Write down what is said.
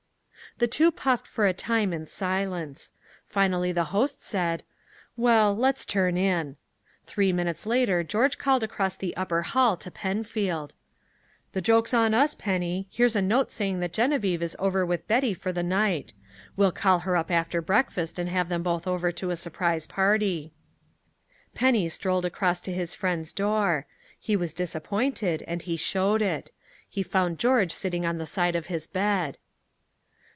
The two puffed for a time in silence. Finally the host said: "Well, let's turn in." Three minutes later George called across the upper hall to Penfield. "The joke's on us, Penny. Here's a note saying that Geneviève is over with Betty for the night. We'll call her up after breakfast and have them both over to a surprise party." Penny strolled across to his friend's door. He was disappointed, and he showed it. He found George sitting on the side of his bed.